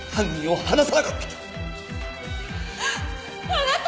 あなた！